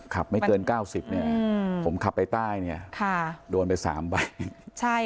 ขับไม่เกิน๙๐ผมขับไปใต้โดนไป๓ใบ